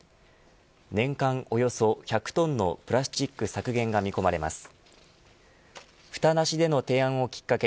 年間およそ１００トンのプラスチック削減が見込まれます。